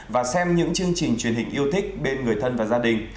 và xem những chương trình truyền hình yêu thích bên người thân và gia đình